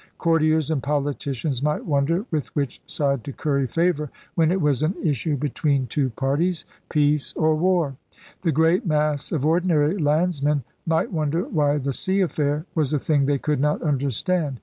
Courtiers and politicians might wonder with which side to curry favor when it was an issue between two par ties — peace or war. The great mass of ordinary landsmen might wonder why the * sea affair' was a thing they could not understand.